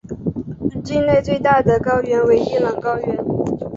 境内最大的高原为伊朗高原。